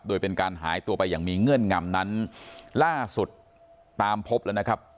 โดยเป็นการหายตัวไปอย่างมีเงื่อนงำนั้นล่าสุดตามพบแล้วนะครับ